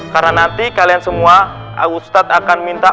karena nanti kalian semua ustadz akan minta